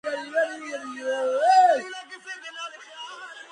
ძეგლი განეკუთვნება გვიანდელ აშელის ხანას.